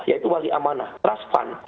yaitu wali amanah rasvan